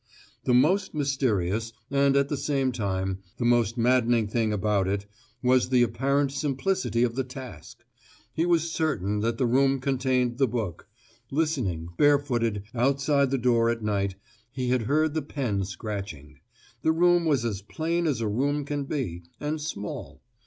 The most mysterious, and, at the same time, the most maddening thing about it was the apparent simplicity of the task. He was certain that the room contained the book: listening, barefooted, outside the door at night, he had heard the pen scratching. The room was as plain as a room can be, and small.